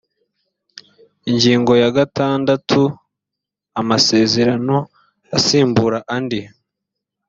ingingo ya gatandatu amasezerano asimbura andi